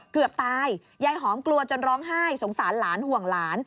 เกือบตายยายหอมกลัวจนร้องไห้สงสารหลานห่วงหลาน